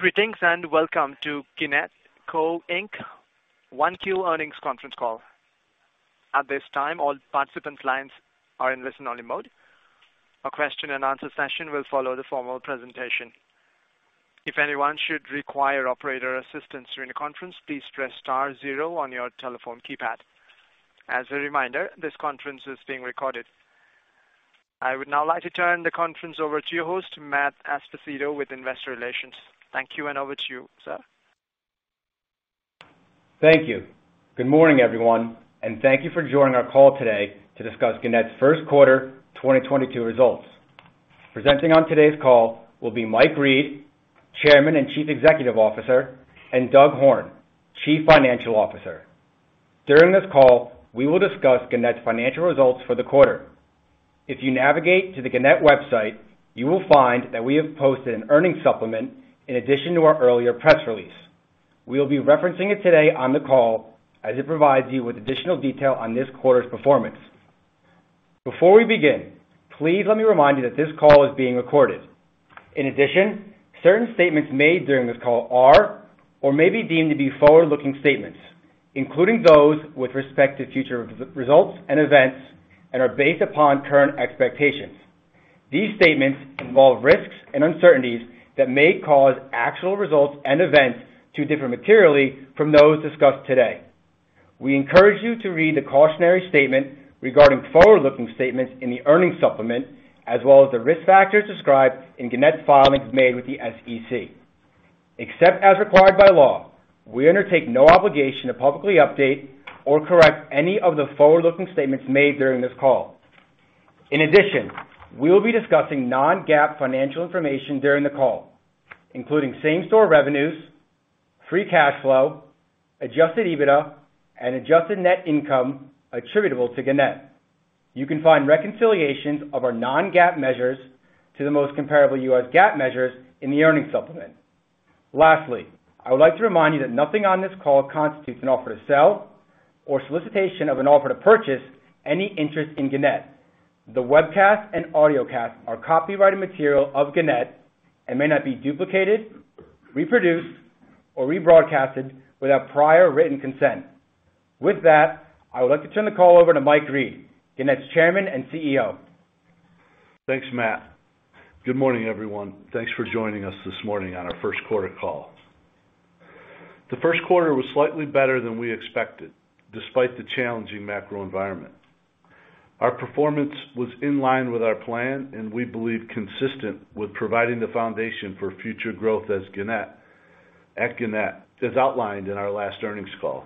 Greetings, and welcome to Gannett Co., Inc. 1Q Earnings Conference Call. At this time, all participant lines are in listen-only mode. A question and answer session will follow the formal presentation. If anyone should require operator assistance during the conference, please press star zero on your telephone keypad. As a reminder, this conference is being recorded. I would now like to turn the conference over to your host, Matthew Esposito, with investor relations. Thank you, and over to you, sir. Thank you. Good morning, everyone, and thank you for joining our call today to discuss Gannett's First Quarter 2022 Results. Presenting on today's call will be Mike Reed, Chairman and Chief Executive Officer, and Douglas Horne, Chief Financial Officer. During this call, we will discuss Gannett's financial results for the quarter. If you navigate to the Gannett website, you will find that we have posted an earnings supplement in addition to our earlier press release. We'll be referencing it today on the call as it provides you with additional detail on this quarter's performance. Before we begin, please let me remind you that this call is being recorded. In addition, certain statements made during this call are or may be deemed to be forward-looking statements, including those with respect to future results and events, and are based upon current expectations. These statements involve risks and uncertainties that may cause actual results and events to differ materially from those discussed today. We encourage you to read the cautionary statement regarding forward-looking statements in the earnings supplement, as well as the risk factors described in Gannett's filings made with the SEC. Except as required by law, we undertake no obligation to publicly update or correct any of the forward-looking statements made during this call. In addition, we will be discussing non-GAAP financial information during the call, including same-store revenues, free cash flow, Adjusted EBITDA, and adjusted net income attributable to Gannett. You can find reconciliations of our non-GAAP measures to the most comparable U.S. GAAP measures in the earnings supplement. Lastly, I would like to remind you that nothing on this call constitutes an offer to sell or solicitation of an offer to purchase any interest in Gannett. The webcast and audiocast are copyrighted material of Gannett and may not be duplicated, reproduced, or rebroadcast without prior written consent. With that, I would like to turn the call over to Mike Reed, Gannett's Chairman and CEO. Thanks, Matt. Good morning, everyone. Thanks for joining us this morning on our first quarter call. The first quarter was slightly better than we expected, despite the challenging macro environment. Our performance was in line with our plan, and we believe consistent with providing the foundation for future growth at Gannett, as outlined in our last earnings call.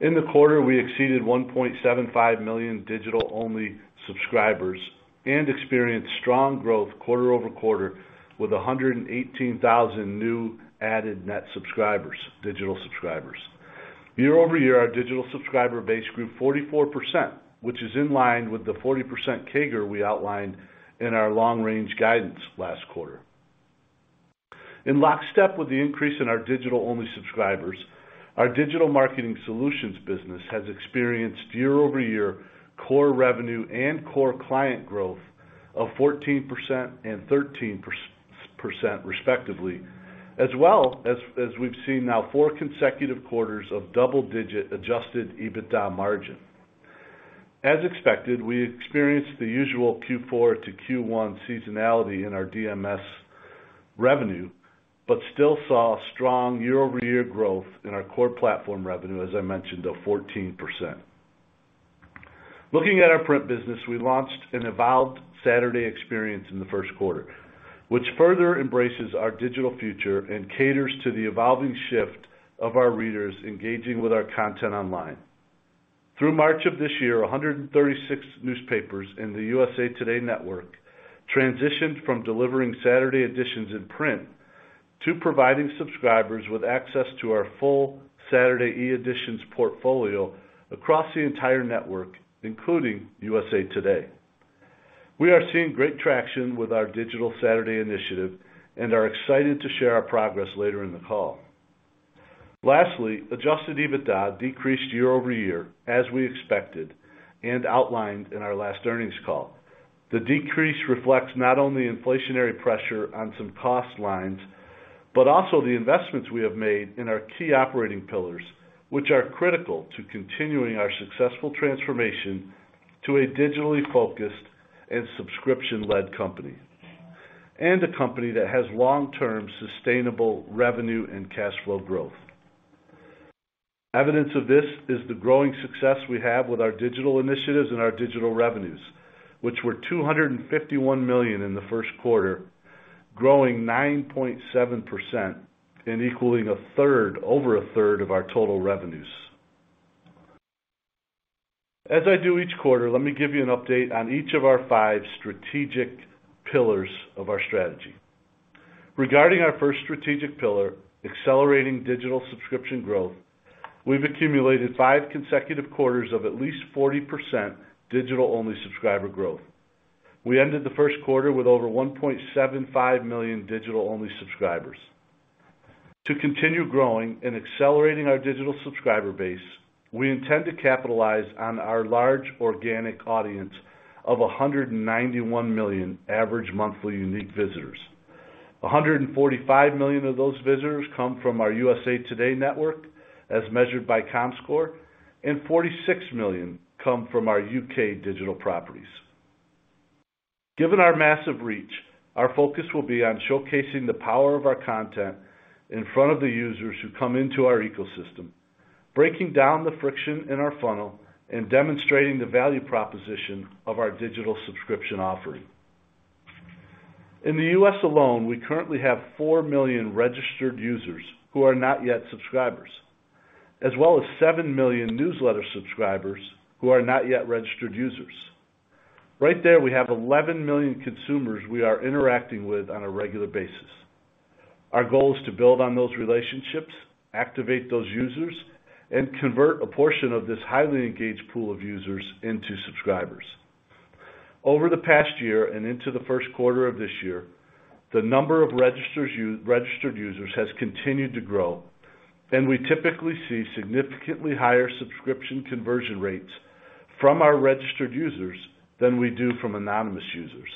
In the quarter, we exceeded 1.75 million digital-only subscribers and experienced strong growth quarter-over-quarter with 118,000 new added net subscribers, digital subscribers. Year-over-year, our digital subscriber base grew 44%, which is in line with the 40% CAGR we outlined in our long-range guidance last quarter. In lockstep with the increase in our digital-only subscribers, our digital marketing solutions business has experienced year-over-year core revenue and core client growth of 14% and 13% respectively, as well as we've seen now four consecutive quarters of double-digit Adjusted EBITDA margin. As expected, we experienced the usual Q4 to Q1 seasonality in our DMS revenue, but still saw strong year-over-year growth in our core platform revenue, as I mentioned, of 14%. Looking at our print business, we launched an evolved Saturday experience in the first quarter, which further embraces our digital future and caters to the evolving shift of our readers engaging with our content online. Through March of this year, 136 newspapers in the USA TODAY Network transitioned from delivering Saturday editions in print to providing subscribers with access to our full Saturday e-editions portfolio across the entire network, including USA TODAY. We are seeing great traction with our Digital Saturday initiative and are excited to share our progress later in the call. Lastly, Adjusted EBITDA decreased year-over-year as we expected and outlined in our last earnings call. The decrease reflects not only inflationary pressure on some cost lines, but also the investments we have made in our key operating pillars, which are critical to continuing our successful transformation to a digitally focused and subscription-led company, and a company that has long-term sustainable revenue and cash flow growth. Evidence of this is the growing success we have with our digital initiatives and our digital revenues, which were $251 million in the first quarter, growing 9.7% and equaling a third, over a third of our total revenues. As I do each quarter, let me give you an update on each of our five strategic pillars of our strategy. Regarding our first strategic pillar, accelerating digital subscription growth, we've accumulated five consecutive quarters of at least 40% digital-only subscriber growth. We ended the first quarter with over 1.75 million digital-only subscribers. To continue growing and accelerating our digital subscriber base, we intend to capitalize on our large organic audience of 191 million average monthly unique visitors. 145 million of those visitors come from our USA TODAY Network, as measured by Comscore, and 46 million come from our U.K. digital properties. Given our massive reach, our focus will be on showcasing the power of our content in front of the users who come into our ecosystem, breaking down the friction in our funnel and demonstrating the value proposition of our digital subscription offering. In the U.S. alone, we currently have four million registered users who are not yet subscribers, as well as seven million newsletter subscribers who are not yet registered users. Right there, we have 11 million consumers we are interacting with on a regular basis. Our goal is to build on those relationships, activate those users, and convert a portion of this highly engaged pool of users into subscribers. Over the past year and into the first quarter of this year, the number of registered users has continued to grow, and we typically see significantly higher subscription conversion rates from our registered users than we do from anonymous users.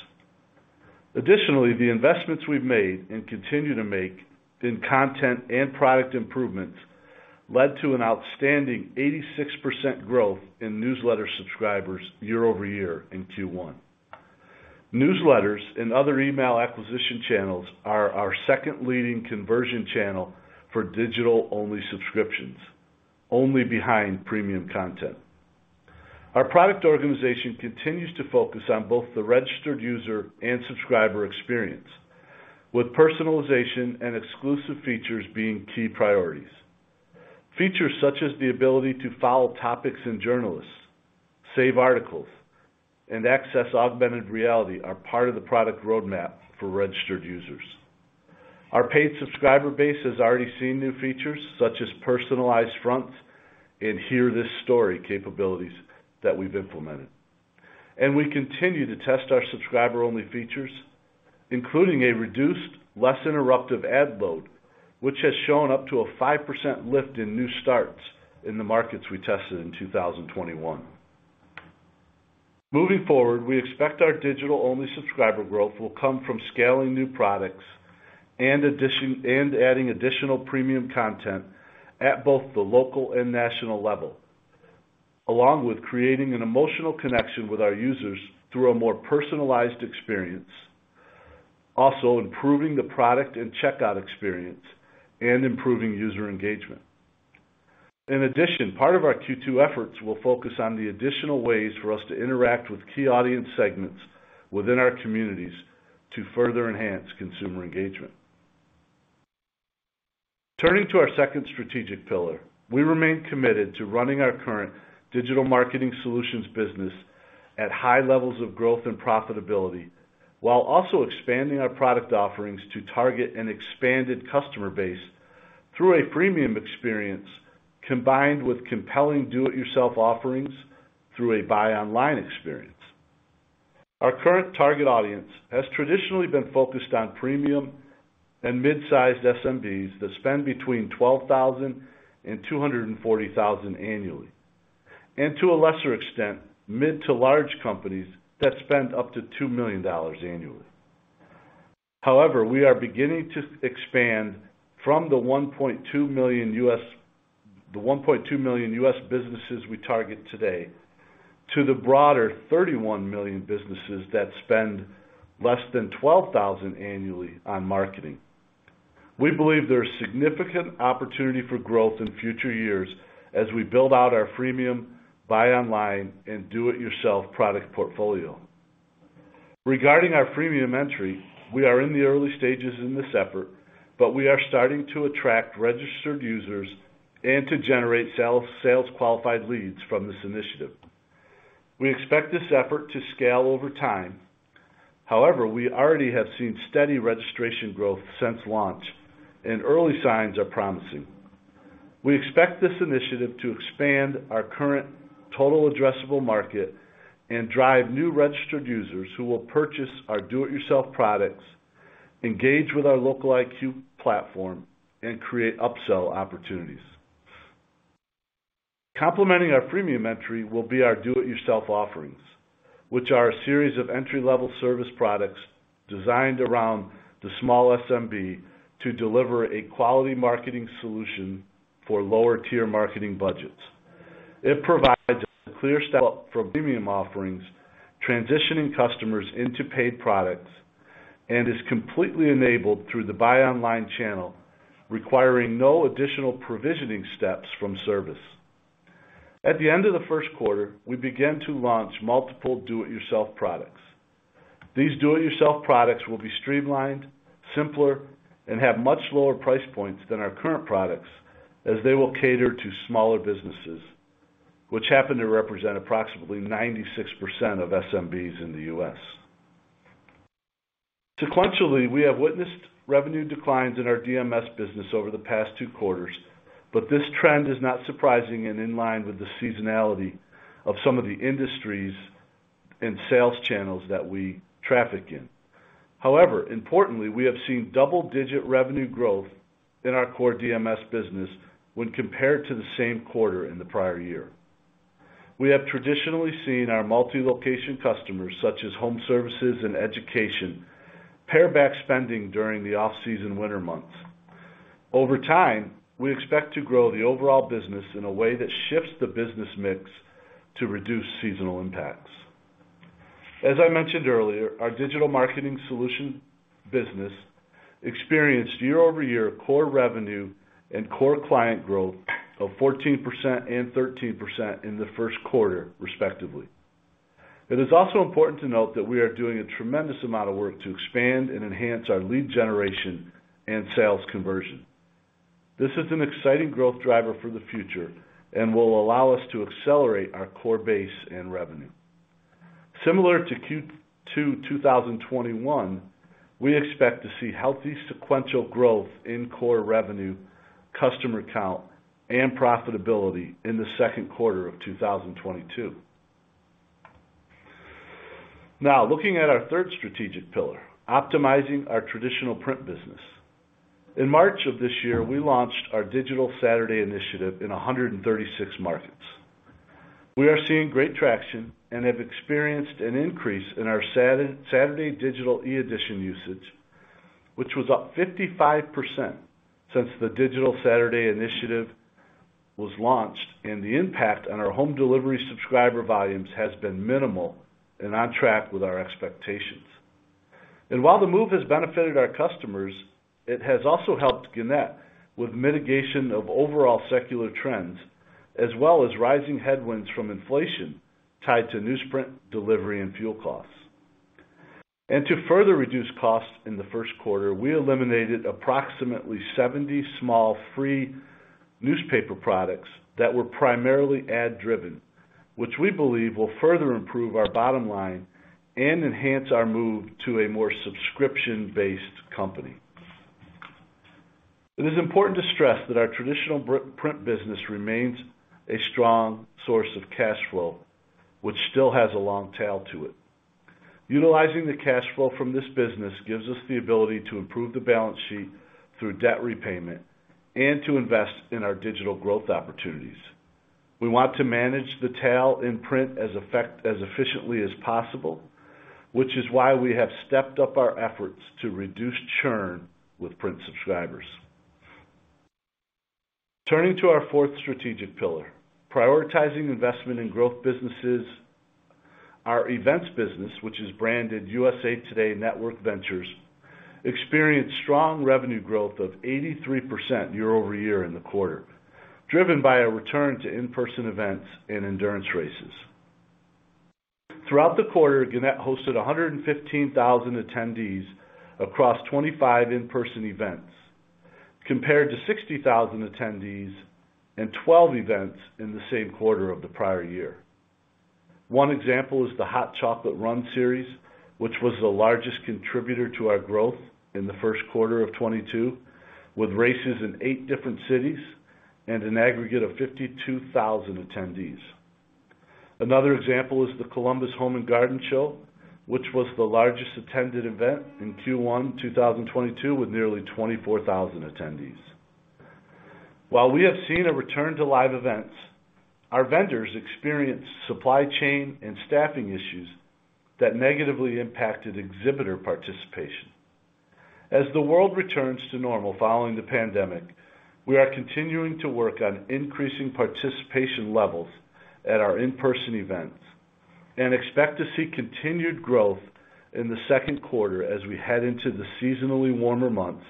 Additionally, the investments we've made and continue to make in content and product improvements led to an outstanding 86% growth in newsletter subscribers year over year in Q1. Newsletters and other email acquisition channels are our second leading conversion channel for digital-only subscriptions, only behind premium content. Our product organization continues to focus on both the registered user and subscriber experience, with personalization and exclusive features being key priorities. Features such as the ability to follow topics and journalists, save articles, and access augmented reality are part of the product roadmap for registered users. Our paid subscriber base has already seen new features, such as personalized fronts and hear this story capabilities that we've implemented. We continue to test our subscriber-only features, including a reduced, less interruptive ad load, which has shown up to a 5% lift in new starts in the markets we tested in 2021. Moving forward, we expect our digital-only subscriber growth will come from scaling new products and adding additional premium content at both the local and national level, along with creating an emotional connection with our users through a more personalized experience, also improving the product and checkout experience and improving user engagement. In addition, part of our Q2 efforts will focus on the additional ways for us to interact with key audience segments within our communities to further enhance consumer engagement. Turning to our second strategic pillar, we remain committed to running our current digital marketing solutions business at high levels of growth and profitability while also expanding our product offerings to target an expanded customer base through a premium experience combined with compelling do-it-yourself offerings through a buy online experience. Our current target audience has traditionally been focused on premium and mid-sized SMBs that spend between $12,000 and $240,000 annually. To a lesser extent, mid to large companies that spend up to $2 million annually. However, we are beginning to expand from the 1.2 million U.S. businesses we target today to the broader 31 million businesses that spend less than $12,000 annually on marketing. We believe there's significant opportunity for growth in future years as we build out our freemium buy online and do-it-yourself product portfolio. Regarding our freemium entry, we are in the early stages in this effort, but we are starting to attract registered users and to generate sales qualified leads from this initiative. We expect this effort to scale over time. However, we already have seen steady registration growth since launch and early signs are promising. We expect this initiative to expand our current total addressable market and drive new registered users who will purchase our do-it-yourself products, engage with our LocaliQ platform, and create upsell opportunities. Complementing our freemium entry will be our do-it-yourself offerings, which are a series of entry-level service products designed around the small SMB to deliver a quality marketing solution for lower-tier marketing budgets. It provides a clear step up from premium offerings, transitioning customers into paid products, and is completely enabled through the buy online channel, requiring no additional provisioning steps from service. At the end of the first quarter, we began to launch multiple do-it-yourself products. These do-it-yourself products will be streamlined, simpler, and have much lower price points than our current products as they will cater to smaller businesses, which happen to represent approximately 96% of SMBs in the U.S. Sequentially, we have witnessed revenue declines in our DMS business over the past two quarters, but this trend is not surprising and in line with the seasonality of some of the industries and sales channels that we traffic in. However, importantly, we have seen double-digit revenue growth in our core DMS business when compared to the same quarter in the prior year. We have traditionally seen our multi-location customers, such as home services and education, pare back spending during the off-season winter months. Over time, we expect to grow the overall business in a way that shifts the business mix to reduce seasonal impacts. As I mentioned earlier, our digital marketing solution business experienced year-over-year core revenue and core client growth of 14% and 13% in the first quarter, respectively. It is also important to note that we are doing a tremendous amount of work to expand and enhance our lead generation and sales conversion. This is an exciting growth driver for the future and will allow us to accelerate our core base and revenue. Similar to Q2 2021, we expect to see healthy sequential growth in core revenue, customer count, and profitability in the second quarter of 2022. Now, looking at our third strategic pillar, optimizing our traditional print business. In March of this year, we launched our Digital Saturday initiative in 136 markets. We are seeing great traction and have experienced an increase in our Saturday Digital eEdition usage, which was up 55% since the Digital Saturday initiative was launched, and the impact on our home delivery subscriber volumes has been minimal and on track with our expectations. While the move has benefited our customers, it has also helped Gannett with mitigation of overall secular trends, as well as rising headwinds from inflation tied to newsprint delivery and fuel costs. To further reduce costs in the first quarter, we eliminated approximately 70 small free newspaper products that were primarily ad-driven, which we believe will further improve our bottom line and enhance our move to a more subscription-based company. It is important to stress that our traditional print business remains a strong source of cash flow, which still has a long tail to it. Utilizing the cash flow from this business gives us the ability to improve the balance sheet through debt repayment and to invest in our digital growth opportunities. We want to manage the tail in print as efficiently as possible, which is why we have stepped up our efforts to reduce churn with print subscribers. Turning to our fourth strategic pillar, prioritizing investment in growth businesses. Our events business, which is branded USA TODAY Network Ventures, experienced strong revenue growth of 83% year-over-year in the quarter, driven by a return to in-person events and endurance races. Throughout the quarter, Gannett hosted 115,000 attendees across 25 in-person events, compared to 60,000 attendees and 12 events in the same quarter of the prior year. One example is the Hot Chocolate Run Series, which was the largest contributor to our growth in the first quarter of 2022, with races in eight different cities and an aggregate of 52,000 attendees. Another example is the Central Ohio Home & Garden Show, which was the largest attended event in Q1 2022 with nearly 24,000 attendees. While we have seen a return to live events, our vendors experienced supply chain and staffing issues that negatively impacted exhibitor participation. As the world returns to normal following the pandemic, we are continuing to work on increasing participation levels at our in-person events and expect to see continued growth in the second quarter as we head into the seasonally warmer months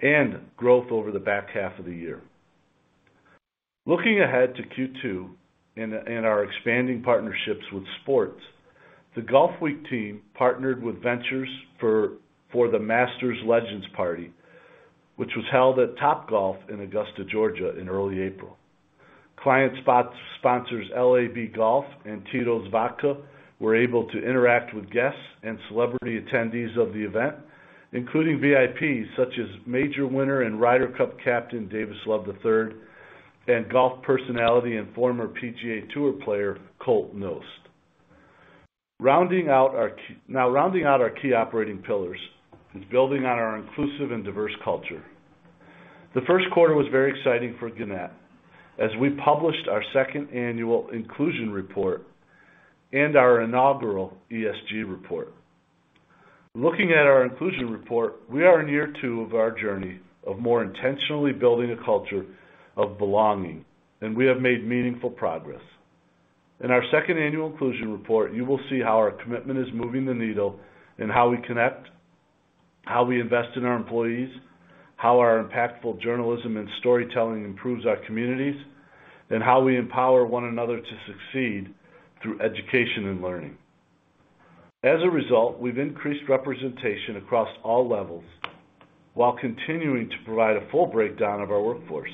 and growth over the back half of the year. Looking ahead to Q2 and our expanding partnerships with sports, the Golfweek team partnered with Ventures for the Masters Legends Party, which was held at Topgolf in Augusta, Georgia in early April. Sponsors L.A.B. Golf and Tito's Vodka were able to interact with guests and celebrity attendees of the event, including VIPs such as major winner and Ryder Cup captain, Davis Love III, and golf personality and former PGA Tour player, Colt Knost. Now rounding out our key operating pillars is building on our inclusive and diverse culture. The first quarter was very exciting for Gannett as we published our second annual Inclusion Report and our inaugural ESG Report. Looking at our Inclusion Report, we are in year two of our journey of more intentionally building a culture of belonging, and we have made meaningful progress. In our second annual Inclusion Report, you will see how our commitment is moving the needle in how we connect, how we invest in our employees, how our impactful journalism and storytelling improves our communities, and how we empower one another to succeed through education and learning. As a result, we've increased representation across all levels while continuing to provide a full breakdown of our workforce.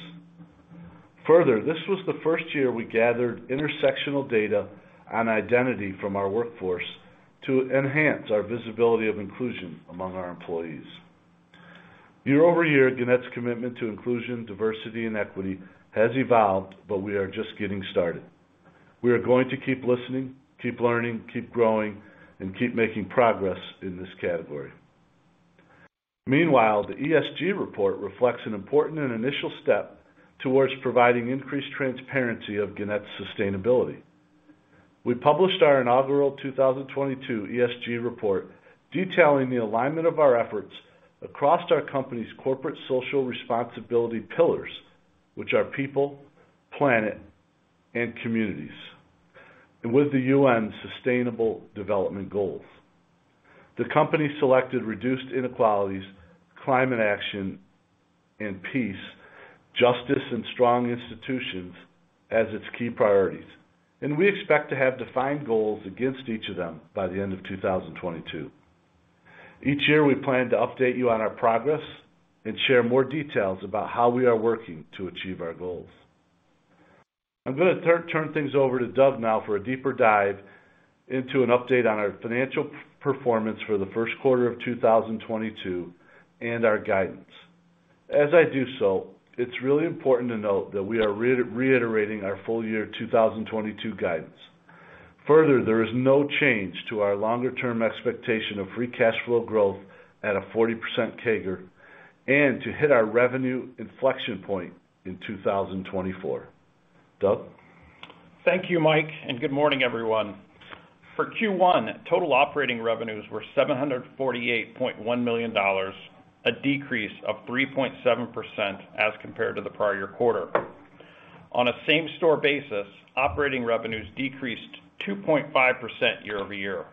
Further, this was the first year we gathered intersectional data on identity from our workforce to enhance our visibility of inclusion among our employees. Year-over-year, Gannett's commitment to inclusion, diversity, and equity has evolved, but we are just getting started. We are going to keep listening, keep learning, keep growing, and keep making progress in this category. Meanwhile, the ESG report reflects an important and initial step towards providing increased transparency of Gannett's sustainability. We published our inaugural 2022 ESG Report detailing the alignment of our efforts across our company's corporate social responsibility pillars, which are people, planet, and communities, and with the UN's sustainable development goals. The company selected reduced inequalities, climate action, and peace, justice, and strong institutions as its key priorities. We expect to have defined goals against each of them by the end of 2022. Each year, we plan to update you on our progress and share more details about how we are working to achieve our goals. I'm gonna turn things over to Doug now for a deeper dive into an update on our financial performance for the first quarter of 2022 and our guidance. As I do so, it's really important to note that we are reiterating our full-year 2022 guidance. Further, there is no change to our longer term expectation of free cash flow growth at a 40% CAGR and to hit our revenue inflection point in 2024. Doug? Thank you, Mike, and good morning, everyone. For Q1, total operating revenues were $748.1 million, a decrease of 3.7% as compared to the prior year quarter. On a same-store basis, operating revenues decreased 2.5% year-over-year.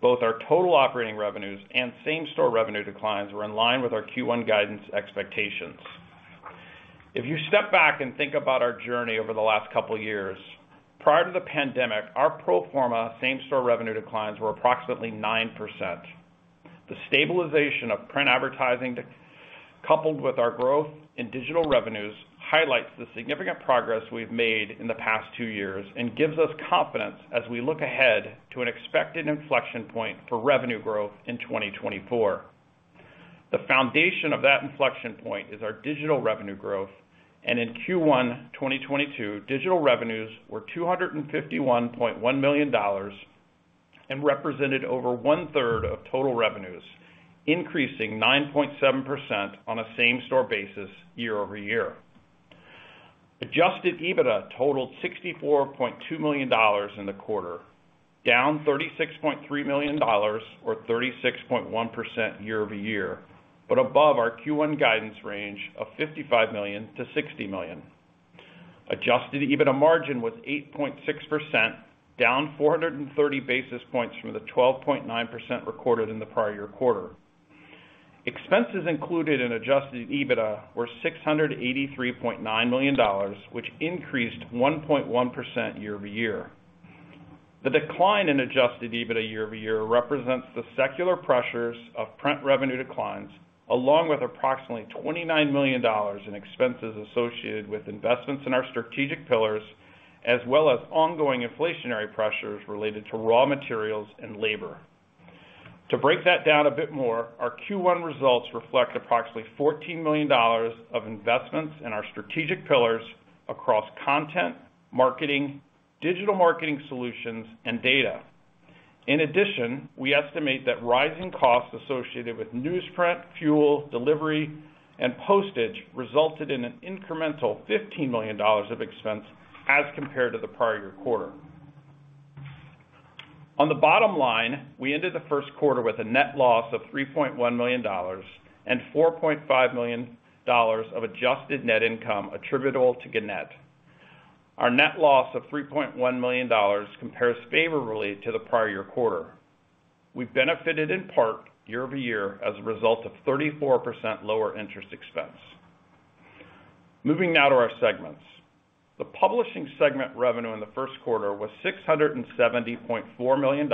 Both our total operating revenues and same-store revenue declines were in line with our Q1 guidance expectations. If you step back and think about our journey over the last couple years, prior to the pandemic, our pro forma same-store revenue declines were approximately 9%. The stabilization of print advertising decoupled with our growth in digital revenues highlights the significant progress we've made in the past two years and gives us confidence as we look ahead to an expected inflection point for revenue growth in 2024. The foundation of that inflection point is our digital revenue growth, and in Q1 2022, digital revenues were $251.1 million and represented over one-third of total revenues, increasing 9.7% on a same-store basis year-over-year. Adjusted EBITDA totaled $64.2 million in the quarter, down $36.3 million or 36.1% year-over-year, but above our Q1 guidance range of $55 million-$60 million. Adjusted EBITDA margin was 8.6%, down 430 basis points from the 12.9% recorded in the prior-year quarter. Expenses included in adjusted EBITDA were $683.9 million, which increased 1.1% year-over-year. The decline in Adjusted EBITDA year-over-year represents the secular pressures of print revenue declines, along with approximately $29 million in expenses associated with investments in our strategic pillars, as well as ongoing inflationary pressures related to raw materials and labor. To break that down a bit more, our Q1 results reflect approximately $14 million of investments in our strategic pillars across content, marketing, digital marketing solutions, and data. In addition, we estimate that rising costs associated with newsprint, fuel, delivery, and postage resulted in an incremental $15 million of expense as compared to the prior year quarter. On the bottom line, we ended the first quarter with a net loss of $3.1 million and $4.5 million of adjusted net income attributable to Gannett. Our net loss of $3.1 million compares favorably to the prior year quarter. We benefited in part year-over-year as a result of 34% lower interest expense. Moving now to our segments. The publishing segment revenue in the first quarter was $670.4 million,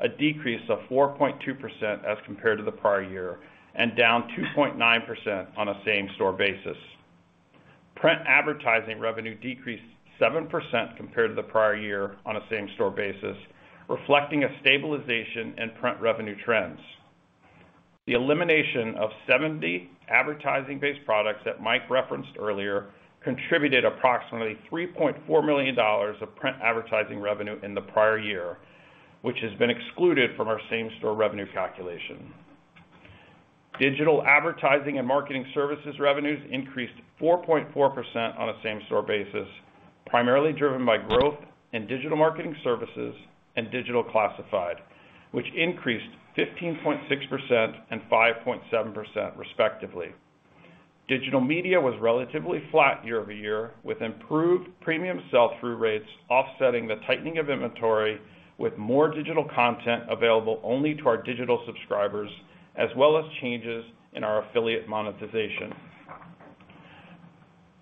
a decrease of 4.2% as compared to the prior year and down 2.9% on a same-store basis. Print advertising revenue decreased 7% compared to the prior year on a same-store basis, reflecting a stabilization in print revenue trends. The elimination of 70 advertising-based products that Mike referenced earlier contributed approximately $3.4 million of print advertising revenue in the prior year, which has been excluded from our same-store revenue calculation. Digital advertising and marketing services revenues increased 4.4% on a same-store basis, primarily driven by growth in digital marketing services and digital classified, which increased 15.6% and 5.7% respectively. Digital media was relatively flat year-over-year with improved premium sell-through rates offsetting the tightening of inventory with more digital content available only to our digital subscribers, as well as changes in our affiliate monetization.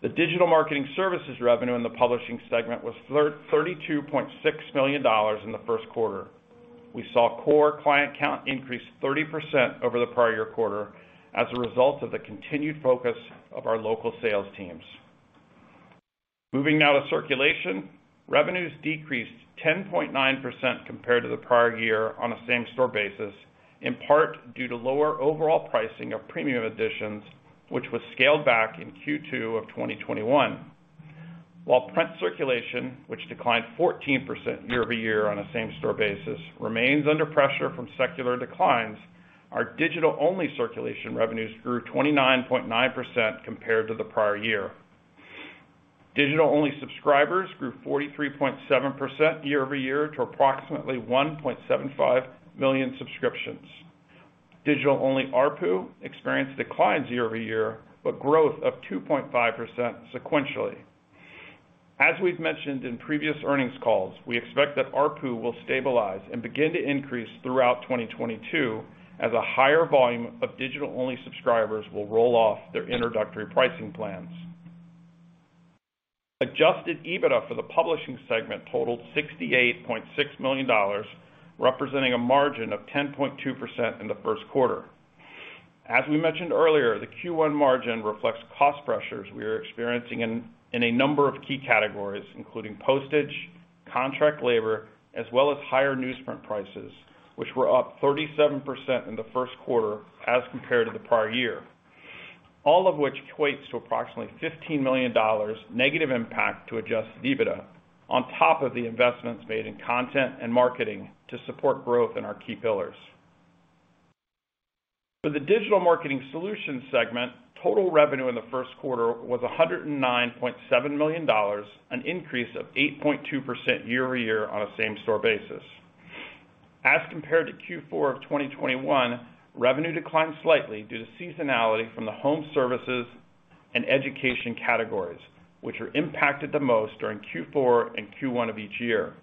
The digital marketing services revenue in the publishing segment was $32.6 million in the first quarter. We saw core client count increase 30% over the prior year quarter as a result of the continued focus of our local sales teams. Moving now to circulation, revenues decreased 10.9% compared to the prior year on a same-store basis, in part due to lower overall pricing of premium editions, which was scaled back in Q2 of 2021. While print circulation, which declined 14% year-over-year on a same-store basis, remains under pressure from secular declines, our digital-only circulation revenues grew 29.9% compared to the prior year. Digital-only subscribers grew 43.7% year-over-year to approximately 1.75 million subscriptions. Digital-only ARPU experienced declines year-over-year, but growth of 2.5% sequentially. As we've mentioned in previous earnings calls, we expect that ARPU will stabilize and begin to increase throughout 2022 as a higher volume of digital-only subscribers will roll off their introductory pricing plans. Adjusted EBITDA for the publishing segment totaled $68.6 million, representing a margin of 10.2% in the first quarter. As we mentioned earlier, the Q1 margin reflects cost pressures we are experiencing in a number of key categories, including postage, contract labor, as well as higher newsprint prices, which were up 37% in the first quarter as compared to the prior year. All of which equates to approximately $15 million negative impact to adjusted EBITDA on top of the investments made in content and marketing to support growth in our key pillars. For the digital marketing solutions segment, total revenue in the first quarter was $109.7 million, an increase of 8.2% year-over-year on a same-store basis. As compared to Q4 of 2021, revenue declined slightly due to seasonality from the home services and education categories, which are impacted the most during Q4 and Q1 of each year.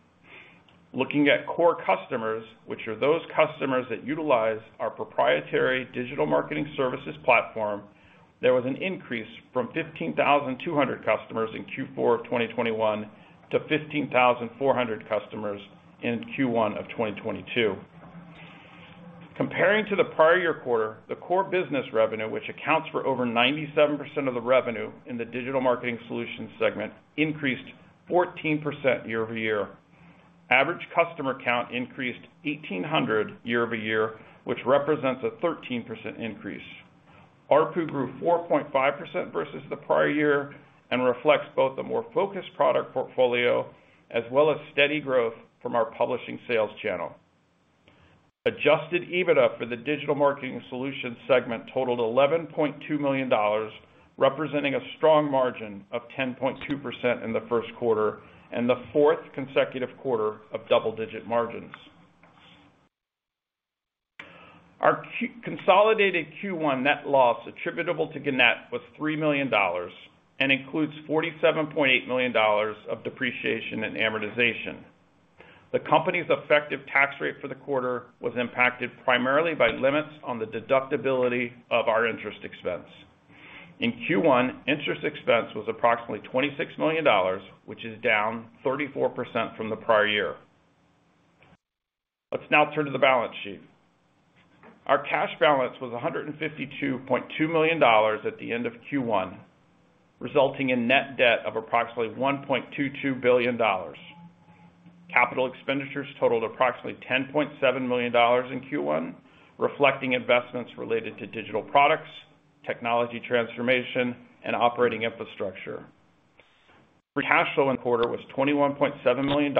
Looking at core customers, which are those customers that utilize our proprietary digital marketing services platform, there was an increase from 15,200 customers in Q4 of 2021 to 15,400 customers in Q1 of 2022. Comparing to the prior year quarter, the core business revenue, which accounts for over 97% of the revenue in the digital marketing solutions segment, increased 14% year-over-year. Average customer count increased 1,800 year-over-year, which represents a 13% increase. ARPU grew 4.5% versus the prior year and reflects both a more focused product portfolio as well as steady growth from our publishing sales channel. Adjusted EBITDA for the digital marketing solutions segment totaled $11.2 million, representing a strong margin of 10.2% in the first quarter and the fourth consecutive quarter of double-digit margins. Our consolidated Q1 net loss attributable to Gannett was $3 million and includes $47.8 million of depreciation and amortization. The company's effective tax rate for the quarter was impacted primarily by limits on the deductibility of our interest expense. In Q1, interest expense was approximately $26 million, which is down 34% from the prior year. Let's now turn to the balance sheet. Our cash balance was $152.2 million at the end of Q1, resulting in net debt of approximately $1.22 billion. Capital expenditures totaled approximately $10.7 million in Q1, reflecting investments related to digital products, technology transformation, and operating infrastructure. Free cash flow in the quarter was $21.7 million,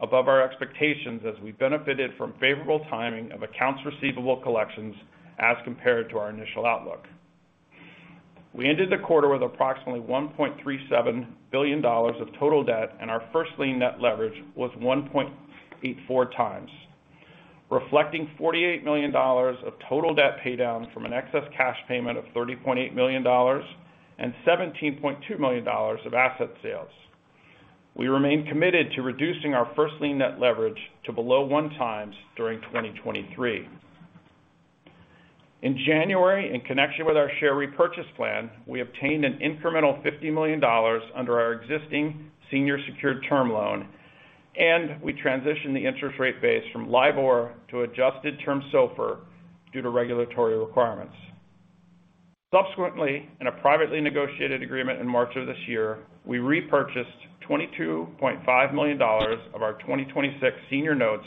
above our expectations as we benefited from favorable timing of accounts receivable collections as compared to our initial outlook. We ended the quarter with approximately $1.37 billion of total debt, and our first lien net leverage was 1.84x, reflecting $48 million of total debt pay down from an excess cash payment of $30.8 million and $17.2 million of asset sales. We remain committed to reducing our first lien net leverage to below 1x during 2023. In January, in connection with our share repurchase plan, we obtained an incremental $50 million under our existing senior secured term loan, and we transitioned the interest rate base from LIBOR to adjusted term SOFR due to regulatory requirements. Subsequently, in a privately negotiated agreement in March of this year, we repurchased $22.5 million of our 2026 senior notes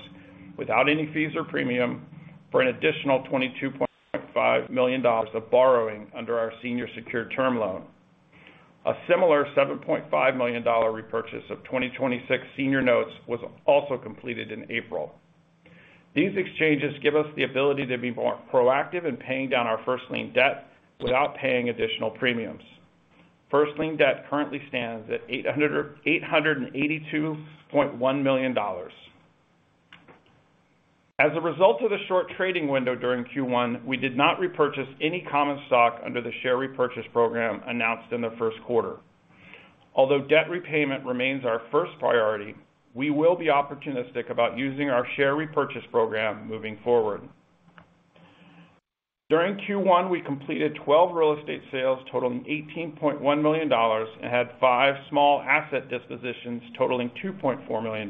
without any fees or premium for an additional $22.5 million of borrowing under our senior secured term loan. A similar $7.5 million dollar repurchase of 2026 senior notes was also completed in April. These exchanges give us the ability to be more proactive in paying down our first lien debt without paying additional premiums. First lien debt currently stands at $882.1 million. As a result of the short trading window during Q1, we did not repurchase any common stock under the share repurchase program announced in the first quarter. Although debt repayment remains our first priority, we will be opportunistic about using our share repurchase program moving forward. During Q1, we completed 12 real estate sales totaling $18.1 million and had five small asset dispositions totaling $2.4 million.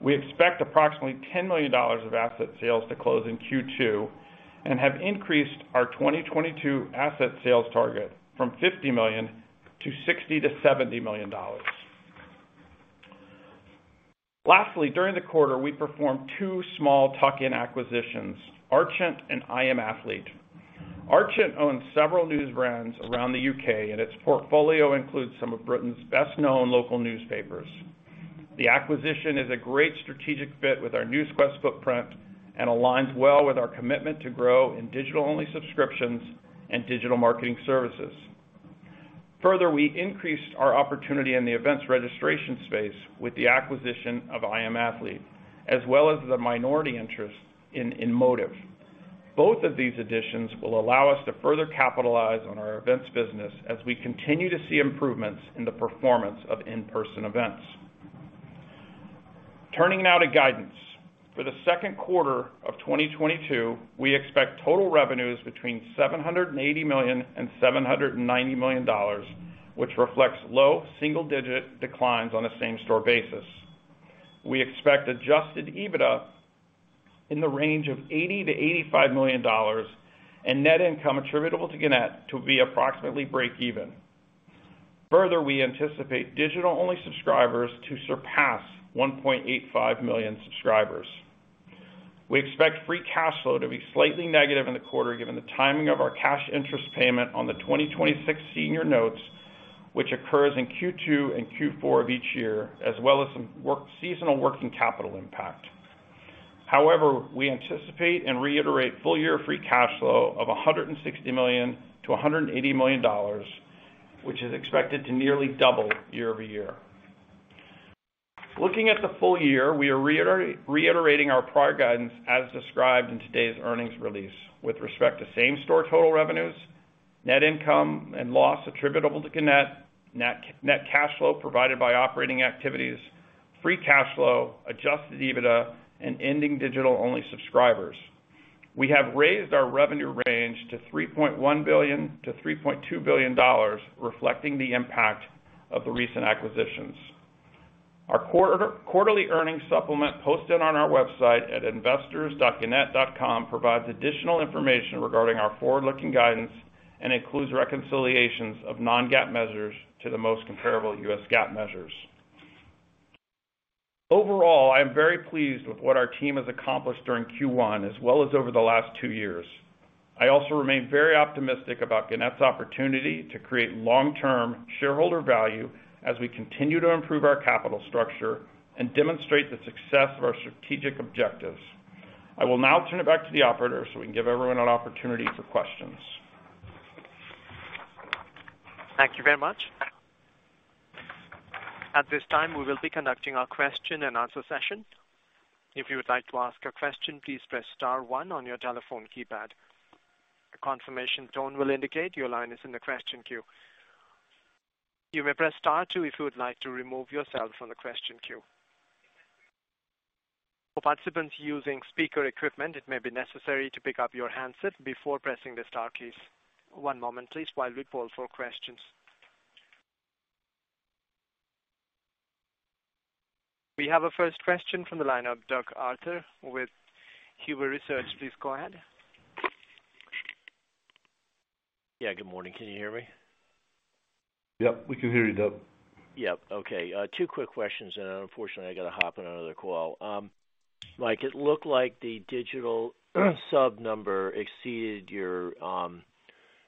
We expect approximately $10 million of asset sales to close in Q2 and have increased our 2022 asset sales target from $50 million to $60-$70 million. Lastly, during the quarter, we performed two small tuck-in acquisitions, Archant and imATHLETE. Archant owns several news brands around the U.K., and its portfolio includes some of Britain's best-known local newspapers. The acquisition is a great strategic fit with our Newsquest footprint and aligns well with our commitment to grow in digital-only subscriptions and digital marketing services. Further, we increased our opportunity in the events registration space with the acquisition of imATHLETE, as well as the minority interest in EnMotive. Both of these additions will allow us to further capitalize on our events business as we continue to see improvements in the performance of in-person events. Turning now to guidance. For the second quarter of 2022, we expect total revenues between $780 million and $790 million, which reflects low single-digit declines on a same-store basis. We expect Adjusted EBITDA in the range of $80 to 85 million and net income attributable to Gannett to be approximately break even. Further, we anticipate digital-only subscribers to surpass 1.85 million subscribers. We expect free cash flow to be slightly negative in the quarter given the timing of our cash interest payment on the 2026 senior notes, which occurs in Q2 and Q4 of each year, as well as some seasonal working capital impact. However, we anticipate and reiterate full year free cash flow of $160 to 180 million, which is expected to nearly double year-over-year. Looking at the full year, we are reiterating our prior guidance as described in today's earnings release with respect to same-store total revenues, net income and loss attributable to Gannett, net cash flow provided by operating activities, free cash flow, adjusted EBITDA, and ending digital-only subscribers. We have raised our revenue range to $3.1 to 3.2 billion, reflecting the impact of the recent acquisitions. Our quarterly earnings supplement posted on our website at investors.gannett.com provides additional information regarding our forward-looking guidance and includes reconciliations of non-GAAP measures to the most comparable U.S. GAAP measures. Overall, I am very pleased with what our team has accomplished during Q1 as well as over the last two years. I also remain very optimistic about Gannett's opportunity to create long-term shareholder value as we continue to improve our capital structure and demonstrate the success of our strategic objectives. I will now turn it back to the operator so we can give everyone an opportunity for questions. Thank you very much. At this time, we will be conducting our question and answer session. If you would like to ask a question, please press star one on your telephone keypad. A confirmation tone will indicate your line is in the question queue. You may press star two if you would like to remove yourself from the question queue. For participants using speaker equipment, it may be necessary to pick up your handset before pressing the star keys. One moment please while we poll for questions. We have our first question from the line of Doug Arthur with Huber Research Partners. Please go ahead. Yeah, good morning. Can you hear me? Yep, we can hear you, Doug. Yep. Okay, two quick questions, and then unfortunately, I gotta hop on another call. Mike, it looked like the digital sub number exceeded your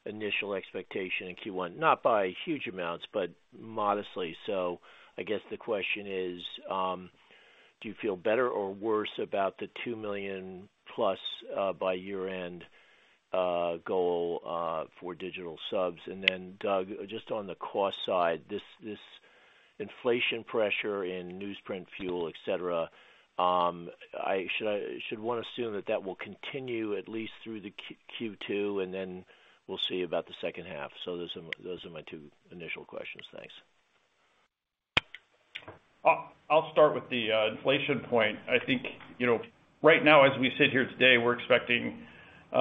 initial expectation in Q1, not by huge amounts, but modestly. So I guess the question is, do you feel better or worse about the two million plus by year-end goal for digital subs? Then Doug, just on the cost side, this inflation pressure in newsprint fuel, et cetera, should one assume that that will continue at least through Q2, and then we'll see about the second half? So those are my two initial questions. Thanks. I'll start with the inflation point. I think, you know, right now as we sit here today, we're expecting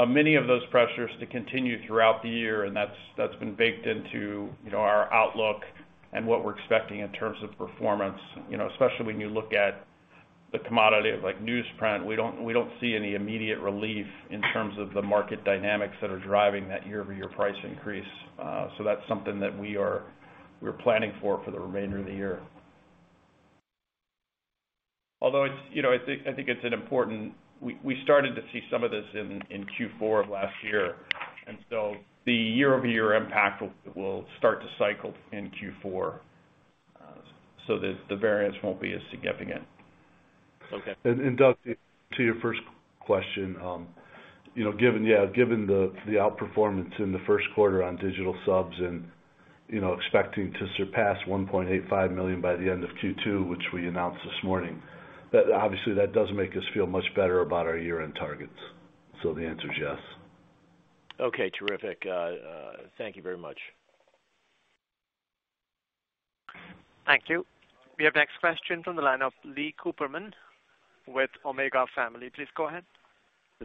many of those pressures to continue throughout the year, and that's been baked into, you know, our outlook and what we're expecting in terms of performance. You know, especially when you look at the commodity like newsprint, we don't see any immediate relief in terms of the market dynamics that are driving that year-over-year price increase. So that's something that we're planning for the remainder of the year. Although it's, you know, I think it's an important. We started to see some of this in Q4 of last year. The year-over-year impact will start to cycle in Q4, so the variance won't be as significant. Okay. Doug, to your first question, you know, given the outperformance in the first quarter on digital subs and, you know, expecting to surpass 1.85 million by the end of Q2, which we announced this morning, that obviously does make us feel much better about our year-end targets. The answer is yes. Okay, terrific. Thank you very much. Thank you. We have next question from the line of Lee Cooperman with Omega Family. Please go ahead.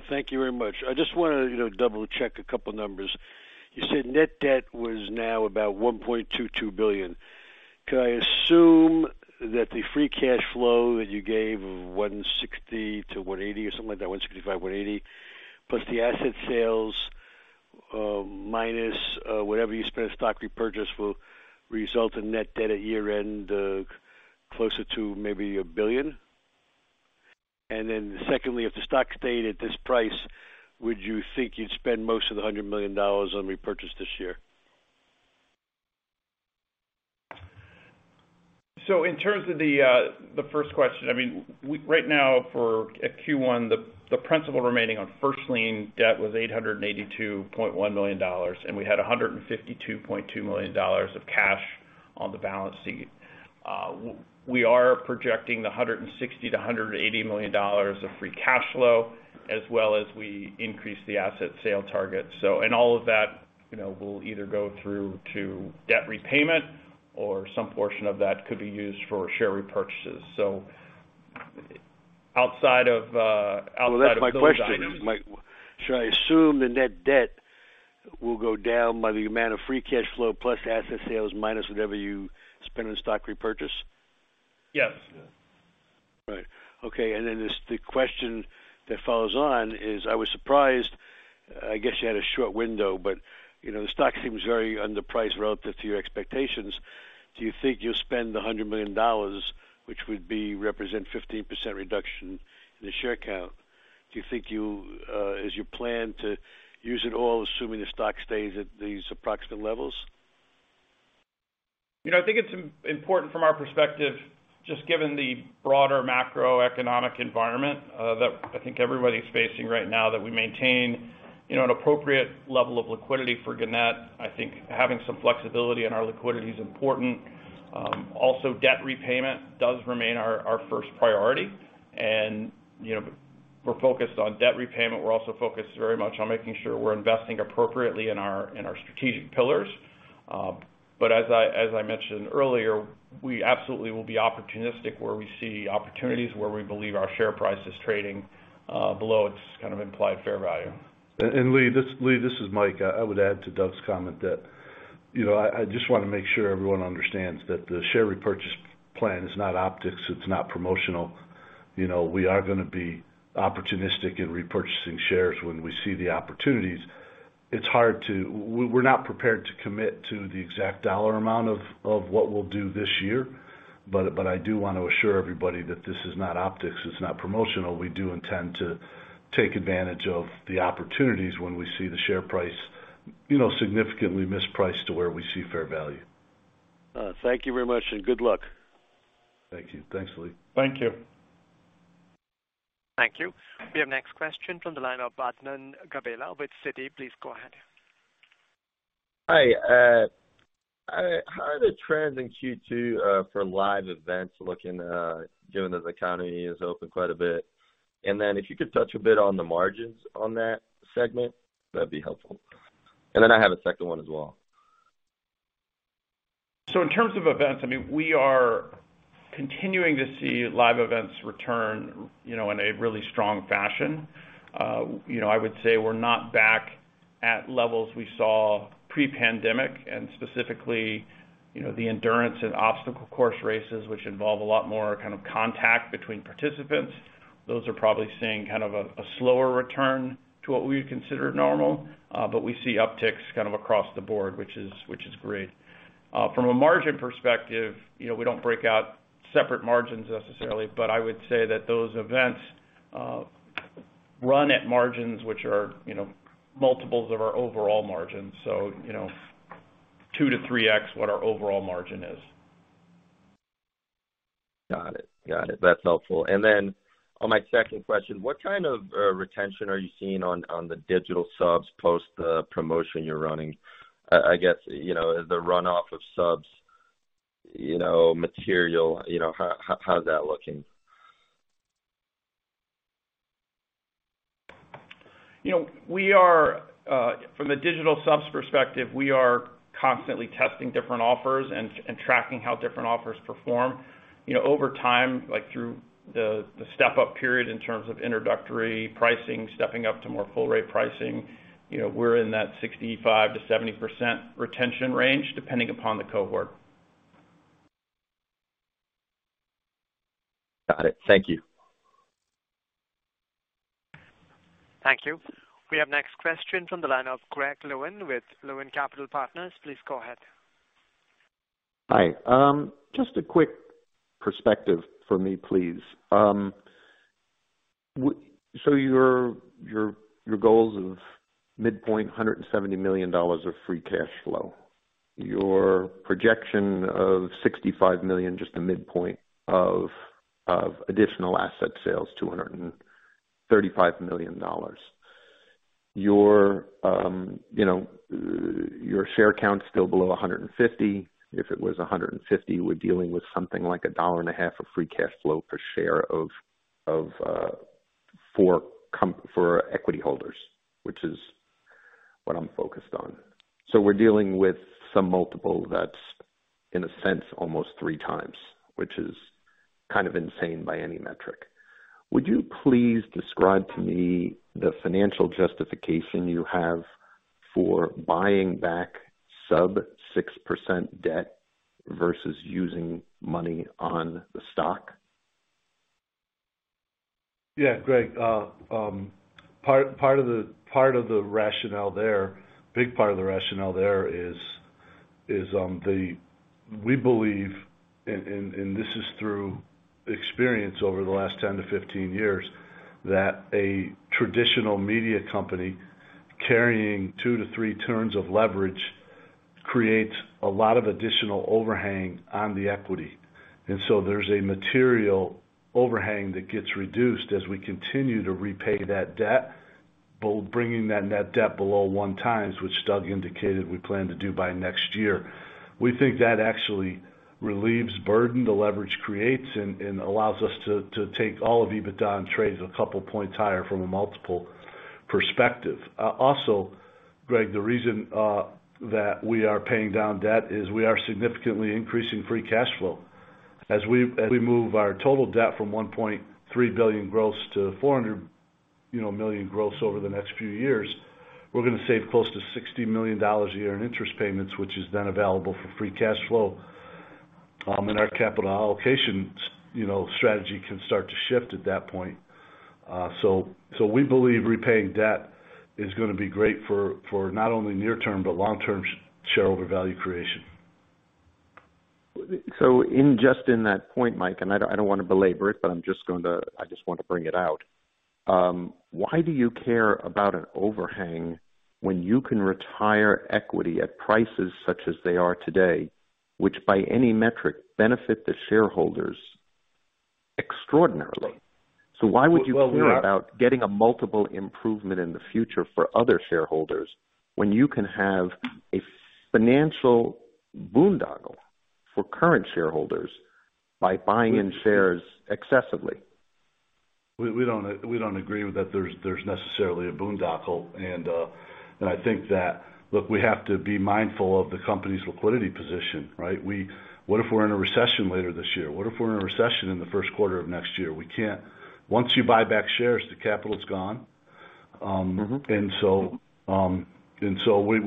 Thank you very much. I just wanna, you know, double check a couple numbers. You said net debt was now about $1.22 billion. Could I assume that the free cash flow that you gave of $165 to 180 million, plus the asset sales, minus whatever you spend in stock repurchase will result in net debt at year-end closer to maybe $1 billion? Secondly, if the stock stayed at this price, would you think you'd spend most of the $100 million on repurchase this year? In terms of the first question, I mean, right now for Q1, the principal remaining on first lien debt was $882.1 million, and we had $152.2 million of cash on the balance sheet. We are projecting $160 to 180 million of free cash flow as well as we increase the asset sale target. All of that, you know, will either go through to debt repayment or some portion of that could be used for share repurchases. Outside of those items Well, that's my question. Should I assume the net debt will go down by the amount of free cash flow plus asset sales minus whatever you spend on stock repurchase? Yes. Right. Okay. The question that follows on is, I was surprised. I guess you had a short window, but, you know, the stock seems very underpriced relative to your expectations. Do you think you'll spend the $100 million, which would represent 15% reduction in the share count? Do you think you, as you plan to use it all, assuming the stock stays at these approximate levels? You know, I think it's important from our perspective, just given the broader macroeconomic environment, that I think everybody's facing right now, that we maintain, you know, an appropriate level of liquidity for Gannett. I think having some flexibility in our liquidity is important. Also, debt repayment does remain our first priority. You know, we're focused on debt repayment. We're also focused very much on making sure we're investing appropriately in our strategic pillars. But as I mentioned earlier, we absolutely will be opportunistic where we see opportunities where we believe our share price is trading below its kind of implied fair value. Lee, this is Mike. I would add to Doug's comment that, you know, I just wanna make sure everyone understands that the share repurchase plan is not optics, it's not promotional. You know, we are gonna be opportunistic in repurchasing shares when we see the opportunities. It's hard to. We're not prepared to commit to the exact dollar amount of what we'll do this year. But I do want to assure everybody that this is not optics, it's not promotional. We do intend to take advantage of the opportunities when we see the share price, you know, significantly mispriced to where we see fair value. Thank you very much, and good luck. Thank you. Thanks, Lee. Thank you. Thank you. We have next question from the line of Adnan Gabela with Citi. Please go ahead. Hi. How are the trends in Q2 for live events looking, given that the economy is open quite a bit? If you could touch a bit on the margins on that segment, that'd be helpful. I have a second one as well. In terms of events, I mean, we are continuing to see live events return, you know, in a really strong fashion. You know, I would say we're not back at levels we saw pre-pandemic and specifically, you know, the endurance and obstacle course races, which involve a lot more kind of contact between participants. Those are probably seeing kind of a slower return to what we would consider normal, but we see upticks kind of across the board, which is great. From a margin perspective, you know, we don't break out separate margins necessarily, but I would say that those events run at margins which are, you know, multiples of our overall margins. You know, 2-3x what our overall margin is. Got it. That's helpful. On my second question, what kind of retention are you seeing on the digital subs post the promotion you're running? I guess, you know, the runoff of subs, you know, material, you know. How's that looking? You know, we are from a digital subs perspective, we are constantly testing different offers and tracking how different offers perform. You know, over time, like through the step up period in terms of introductory pricing, stepping up to more full rate pricing, you know, we're in that 65%-70% retention range, depending upon the cohort. Got it. Thank you. Thank you. We have next question from the line of Greg Lewin with Lewin Capital Partners. Please go ahead. Hi. Just a quick perspective for me, please. Your goals of midpoint $170 million of free cash flow, your projection of $65 million, just the midpoint of additional asset sales, $235 million. Your share count's still below 150. If it was 150, we're dealing with something like $1.50 of free cash flow per share for equity holders, which is. What I'm focused on. We're dealing with some multiple that's in a sense almost 3x, which is kind of insane by any metric. Would you please describe to me the financial justification you have for buying back sub-6% debt versus using money on the stock? Yeah, Greg, part of the rationale there, big part of the rationale there is the—we believe, and this is through experience over the last 10-15 years, that a traditional media company carrying two-three turns of leverage creates a lot of additional overhang on the equity. There's a material overhang that gets reduced as we continue to repay that debt, but bringing that net debt below 1x, which Doug indicated we plan to do by next year. We think that actually relieves burden the leverage creates and allows us to take all of EBITDA and trade a couple points higher from a multiple perspective. Also, Greg, the reason that we are paying down debt is we are significantly increasing free cash flow. As we move our total debt from $1.3 billion gross to $400 million gross over the next few years, you know, we're gonna save close to $60 million a year in interest payments, which is then available for free cash flow. Our capital allocation strategy can start to shift at that point. We believe repaying debt is gonna be great for not only near term, but long-term shareholder value creation. In just that point, Mike, and I don't wanna belabor it, but I just want to bring it out. Why do you care about an overhang when you can retire equity at prices such as they are today, which by any metric benefit the shareholders extraordinarily? Why would you care about getting a multiple improvement in the future for other shareholders when you can have a financial boondoggle for current shareholders by buying in shares excessively? We don't agree with that there's necessarily a boondoggle. I think that. Look, we have to be mindful of the company's liquidity position, right? What if we're in a recession later this year? What if we're in a recession in the first quarter of next year? We can't. Once you buy back shares, the capital is gone. Mm-hmm.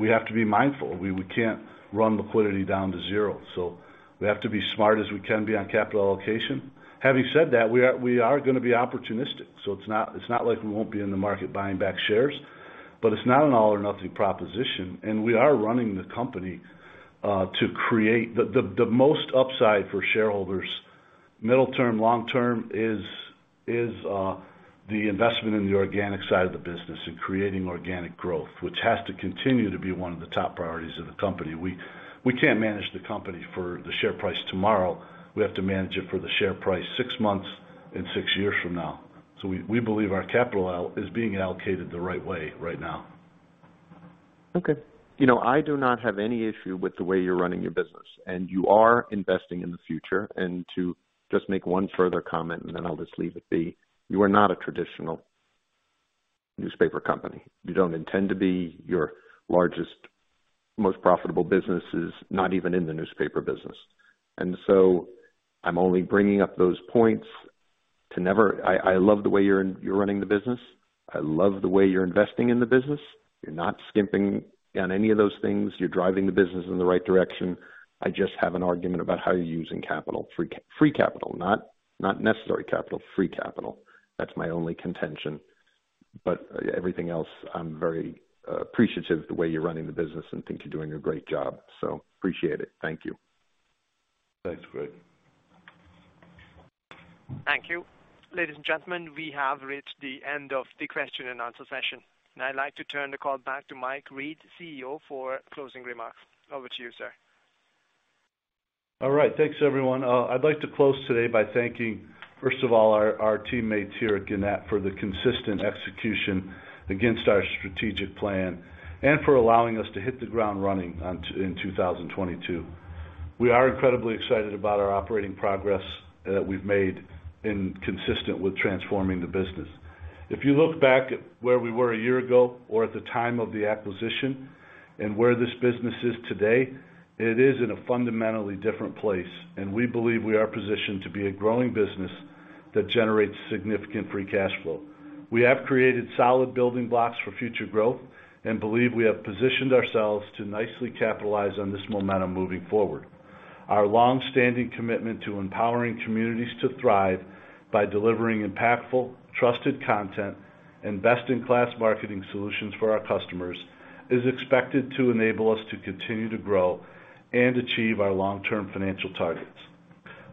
We have to be mindful. We can't run liquidity down to zero. We have to be smart as we can be on capital allocation. Having said that, we are gonna be opportunistic. It's not like we won't be in the market buying back shares, but it's not an all or nothing proposition. We are running the company to create the most upside for shareholders. Middle term, long term is the investment in the organic side of the business and creating organic growth, which has to continue to be one of the top priorities of the company. We can't manage the company for the share price tomorrow. We have to manage it for the share price six months and six years from now. We believe our capital is being allocated the right way right now. Okay. You know, I do not have any issue with the way you're running your business, and you are investing in the future. To just make one further comment, and then I'll just leave it be, you are not a traditional newspaper company. You don't intend to be. Your largest, most profitable business is not even in the newspaper business. I'm only bringing up those points. I love the way you're running the business. I love the way you're investing in the business. You're not skimping on any of those things. You're driving the business in the right direction. I just have an argument about how you're using capital. Free capital. Not necessary capital, free capital. That's my only contention. Everything else, I'm very appreciative of the way you're running the business and think you're doing a great job. Appreciate it. Thank you. Thanks, Greg. Thank you. Ladies and gentlemen, we have reached the end of the question and answer session, and I'd like to turn the call back to Mike Reed, CEO, for closing remarks. Over to you, sir. All right. Thanks, everyone. I'd like to close today by thanking, first of all, our teammates here at Gannett for the consistent execution against our strategic plan and for allowing us to hit the ground running in 2022. We are incredibly excited about our operating progress that we've made and consistent with transforming the business. If you look back at where we were a year ago or at the time of the acquisition and where this business is today, it is in a fundamentally different place, and we believe we are positioned to be a growing business that generates significant free cash flow. We have created solid building blocks for future growth and believe we have positioned ourselves to nicely capitalize on this momentum moving forward. Our long-standing commitment to empowering communities to thrive by delivering impactful, trusted content and best-in-class marketing solutions for our customers, is expected to enable us to continue to grow and achieve our long-term financial targets.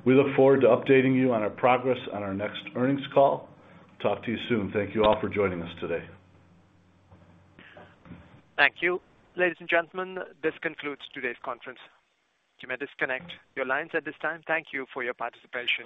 We look forward to updating you on our progress on our next earnings call. Talk to you soon. Thank you all for joining us today. Thank you. Ladies and gentlemen, this concludes today's conference. You may disconnect your lines at this time. Thank you for your participation.